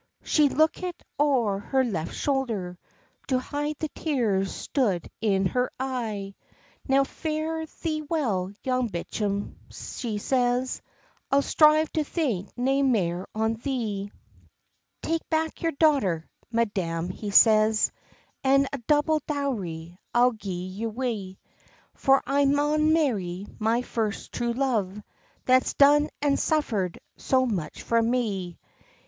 She's lookit oer her left shoulder To hide the tears stood in her ee; "Now fare thee well, Young Bicham," she says, "I'll strive to think nae mair on thee." "Take back your daughter, madam," he says, "An a double dowry I'll gie her wi; For I maun marry my first true love, That's done and suffered so much for me."